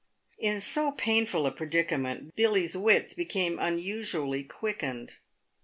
In so painful a predicament, Billy's wits became unusually quick ened.